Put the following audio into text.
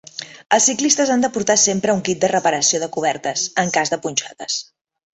Els ciclistes han de portar sempre un kit de reparació de cobertes, en cas de punxades